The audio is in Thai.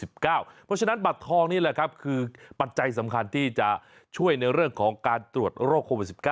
เพราะฉะนั้นบัตรทองนี่แหละครับคือปัจจัยสำคัญที่จะช่วยในเรื่องของการตรวจโรคโควิด๑๙